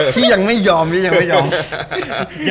พี่ยังไปด้วย